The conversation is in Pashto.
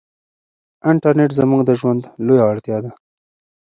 انټرنيټ زموږ د ژوند لویه اړتیا ده.